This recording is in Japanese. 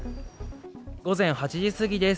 午前８時過ぎです。